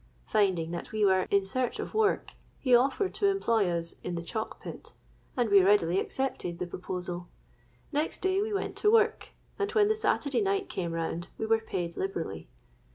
Finding that we were in search of work, he offered to employ us in the chalk pit; and we readily accepted the proposal. Next day we went to work; and when the Saturday night came round, we were paid liberally.